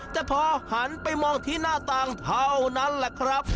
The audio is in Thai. แต่พอหันไปมองที่หน้าต่างเท่านั้นแหละครับ